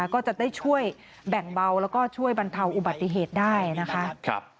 ก็จะได้ช่วยแบ่งเบาแล้วก็ช่วยบรรเทาอุบัติเหตุได้นะคะ